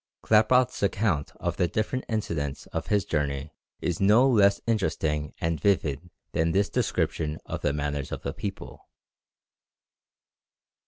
Klaproth's account of the different incidents of his journey is no less interesting and vivid than this description of the manners of the people.